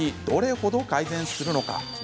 どれほど改善するのか？